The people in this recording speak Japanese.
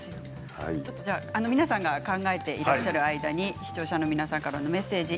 皆さんが考えていらっしゃる間に視聴者の皆さんからのメッセージを。